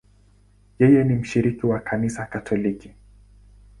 Yeye ni mshiriki wa Kanisa Katoliki.